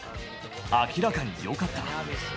明らかによかった。